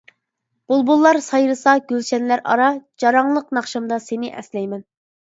بۇلبۇللار سايرىسا گۈلشەنلەر ئارا، جاراڭلىق ناخشامدا سېنى ئەسلەيمەن.